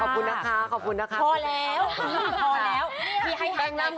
พี่แพงลำก็เก่งนานุกนะ